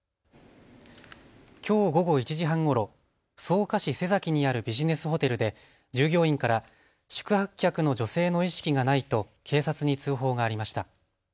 きょう午後１時半ごろ草加市瀬崎にあるビジネスホテルで従業員から宿泊客の女性の意識がないと警察に通報がありました。